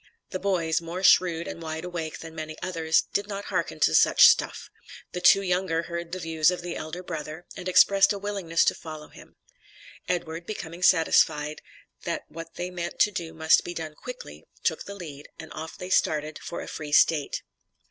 The boys, more shrewd and wide awake than many others, did not hearken to such "stuff." The two younger heard the views of the elder brother, and expressed a willingness to follow him. Edward, becoming satisfied that what they meant to do must be done quickly, took the lead, and off they started for a free State.